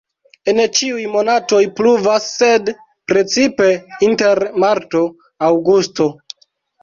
En ĉiuj monatoj pluvas, sed precipe inter marto-aŭgusto.